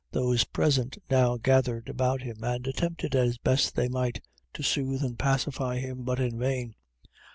Those present now gathered about him, and attempted as best they might, to soothe and pacify him; but in vain.